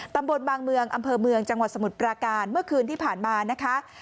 ตำบลบางเมืองอำเภอเมืองจังหวัดสมุทรปราการเมื่อคืนที่ผ่านมานะคะ